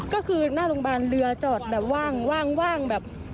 ก็คือหน้าโรงพยาบาลเรือจอดแบบว่างแบบ